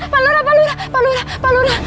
pak lura pak lura pak lura pak lura